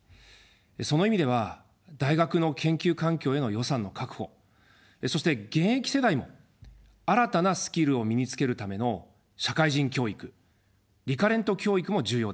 その意味では大学の研究環境への予算の確保、そして現役世代も新たなスキルを身につけるための社会人教育、リカレント教育も重要ですね。